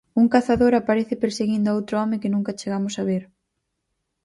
Un cazador aparece perseguindo a outro home que nunca chegamos a ver.